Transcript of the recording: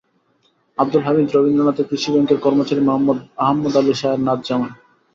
আবদুল হামিদ রবীন্দ্রনাথের কৃষি ব্যাংকের কর্মচারী মোহাম্মদ আহমদ আলী শাহের নাতজামাই।